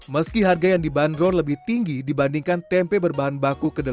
meski harga yang dibanderol lebih tinggi dibandingkan tempe berbahan baku kedelai